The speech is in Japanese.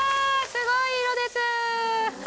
すごい色です。